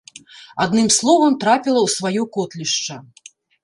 Адным словам, трапіла ў сваё котлішча.